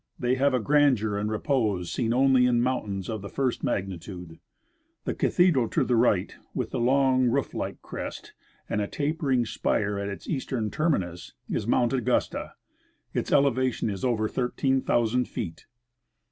They have a grandeur and repose seen only in mountains of the first magnitude.. The cathedral to the right, with the long roof like crest and a tapering spire at its eastern terminus, is Mount Augusta ; its elevation is over 13,000 feet.